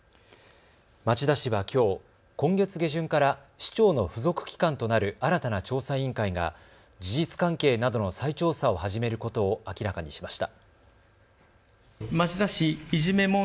町田市はきょう今月下旬から市長の付属機関となる新たな調査委員会が事実関係などの再調査を始めることを明らかにしました。